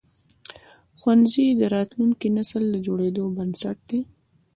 ښوونځي د راتلونکي نسل د جوړېدو بنسټ دي.